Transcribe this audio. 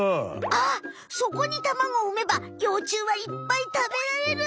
そこにタマゴをうめばようちゅうはいっぱいたべられる！